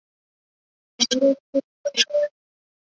皇佑四年辞官归荆南。